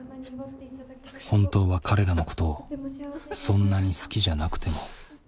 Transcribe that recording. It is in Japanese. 本当は彼らのことをそんなに好きじゃなくても。